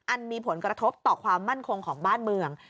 มีผลกระทบต่อความมั่นคงของบ้านเมือง